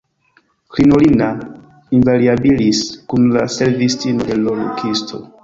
_Crinolina invariabilis_, kun la servistino de l' kukisto.